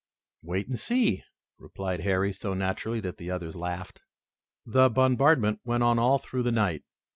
"Wait and see," replied Harry so naturally that the others laughed. The bombardment went on all through the night.